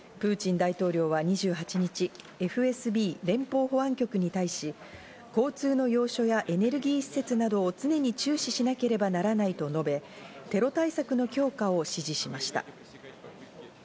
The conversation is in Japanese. プーチン大統領は２８日、ＦＳＢ＝連邦保安局に対し、交通の要所やエネルギー施設などを常に注視しなければならないと述べ、テロ対策の強化を指示しました。